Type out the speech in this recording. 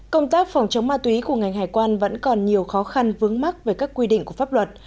công tác phòng chống ma túy của ngành hải quan vẫn còn nhiều khó khăn vướng mắc về các quy định của pháp luật